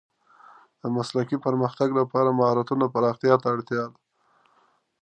د مسلکي پرمختګ لپاره د مهارتونو پراختیا ته اړتیا ده.